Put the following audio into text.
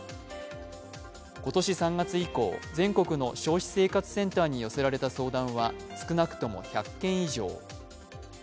今年３月以降、全国の消費生活センターに寄せられた相談は少なくとも１００件以上。